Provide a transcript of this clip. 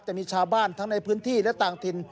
จะมีชาวบ้านทั้งในพื้นที่และต่างถิ่น